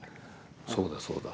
そうだそうだ。